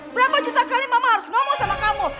berapa juta kali mama harus ngomong sama kamu